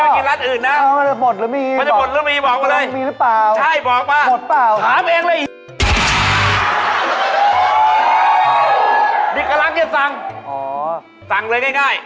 มันจะมีรึเปล่าไปกินร้านอื่นนะ